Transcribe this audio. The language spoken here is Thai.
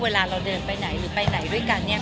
เวลาเราเดินไปไหนหรือไปไหนด้วยกันเนี่ย